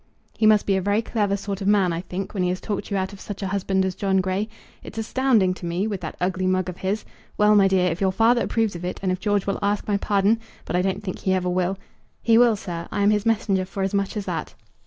"He must be a very clever sort of man, I think, when he has talked you out of such a husband as John Grey. It's astounding to me, with that ugly mug of his! Well, my dear, if your father approves of it, and if George will ask my pardon, but I don't think he ever will " "He will, sir. I am his messenger for as much as that."